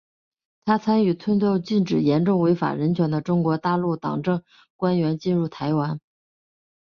她参与推动禁止严重违反人权的中国大陆党政官员进入台湾。